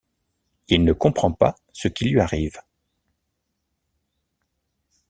Il ne comprends pas ce qui lui arrive